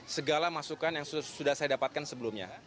segala masukan yang sudah saya dapatkan sebelumnya